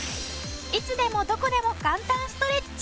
いつでもどこでも簡単ストレッチ。